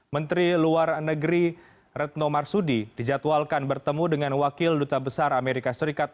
menteri luar negeri retno marsudi dijadwalkan bertemu dengan wakil duta besar amerika serikat